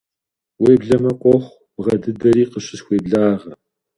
Уеблэмэ, къохъу бгъэ дыдэри къыщысхуеблагъэ.